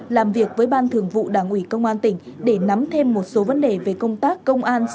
làm việc với ban thường vụ đảng ủy công an tỉnh để nắm thêm một số vấn đề về công tác công an